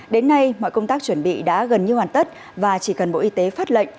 đến nay mọi công tác chuẩn bị đã gần như hoàn tất và chỉ cần bộ y tế phát lệnh